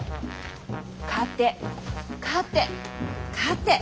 勝て勝て勝て。